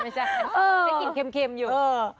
มันกินเค็มอยู่